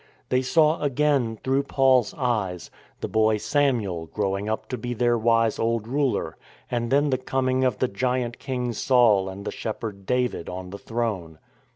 They saw again, through Paul's eyes, the boy Samuel growing up to be their wise old ruler, and then the coming of the giant king Saul and the shepherd David on the throne.